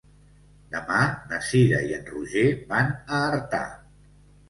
Demà na Cira i en Roger van a Artà.